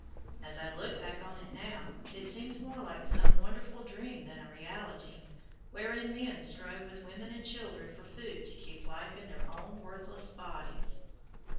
As I look back on it now, it seems more like some wonderful dream than a reality, wherein men strove with women and children for food to keep life in their own worthless bodies.